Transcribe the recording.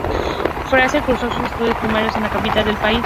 Farell cursó sus estudios primarios en la capital del país.